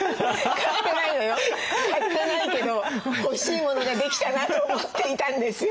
買ってないけど欲しいモノができたなと思っていたんですよ